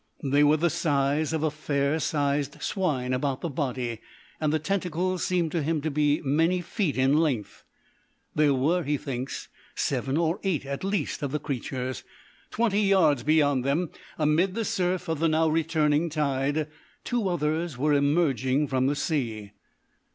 They were the size of a fair sized swine about the body, and the tentacles seemed to him to be many feet in length. There were, he thinks, seven or eight at least of the creatures. Twenty yards beyond them, amid the surf of the now returning tide, two others were emerging from the sea.